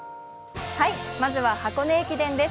まずは箱根駅伝です。